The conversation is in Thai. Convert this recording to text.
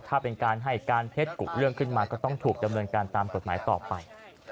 ถ้าเป็นการให้การเท็จกุเรื่องขึ้นมาก็ต้องถูกดำเนินการตามกฎหมายต่อไป